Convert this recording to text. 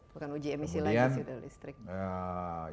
bukan uji emisi lagi